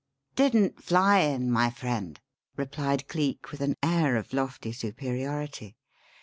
"Didn't fly in, my friend," replied Cleek with an air of lofty superiority.